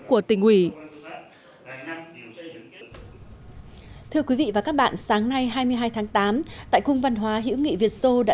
của tỉnh ủy thưa quý vị và các bạn sáng nay hai mươi hai tháng tám tại cung văn hóa hữu nghị việt sô đã